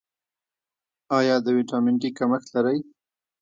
ایا د ویټامین ډي کمښت لرئ؟